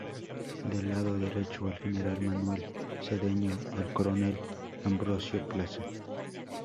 Del lado derecho, el general Manuel Cedeño y el coronel Ambrosio Plaza.